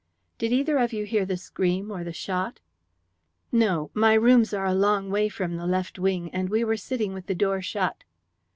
"Did either of you hear the scream or the shot?" "No, my rooms are a long way from the left wing, and we were sitting with the door shut."